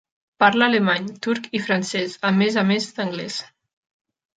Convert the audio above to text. Parla alemany, turc i francès, a més a més d'anglès.